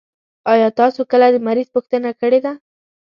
آيا تاسو کله د مريض پوښتنه کړي ده؟